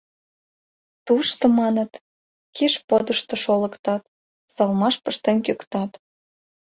Тушто, маныт, киш подышто шолыктат, салмаш пыштен кӱктат...